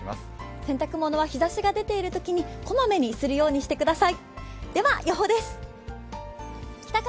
洗濯物は日ざしが出ているときに小まめにするようにしてください。